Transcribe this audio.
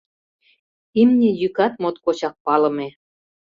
Имне йӱкат моткочак палыме.